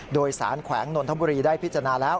โดยสารแขวงนนทบุรีได้พิจารณาแล้ว